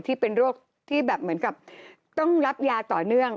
ที่เป็นโรคที่แบบเหมือนกับต้องรับยาต่อเนื่อง